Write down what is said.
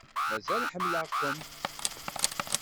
Mazal ḥemmleɣ-kumt.